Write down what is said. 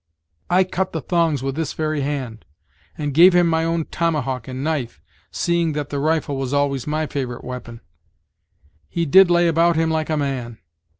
I cut the thongs with this very hand, and gave him my own tomahawk and knife, seeing that the rifle was always my fav'rite weapon. He did lay about him like a man!